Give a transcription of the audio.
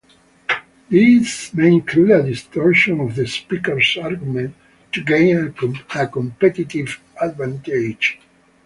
This may include a distortion of the speaker's argument to gain a competitive advantage.